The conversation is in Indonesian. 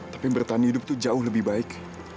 tapi bertahan hidup itu jauh lebih baik